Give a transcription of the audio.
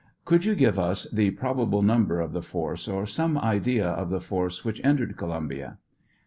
Could you give us the probable number of the force, or some idea of the force which entered Co lumbia?